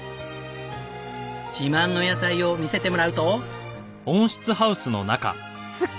自慢の野菜を見せてもらうと。